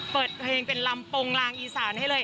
เปิดเพลงเป็นลำโปรงลางอีสานให้เลย